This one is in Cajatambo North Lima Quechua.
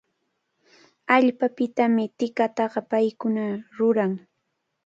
Allpapitami tikataqa paykuna ruran.